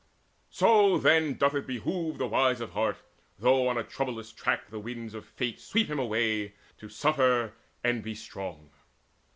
So then doth it behove the wise of heart Though on a troublous track the winds of fate Sweep him away to suffer and be strong.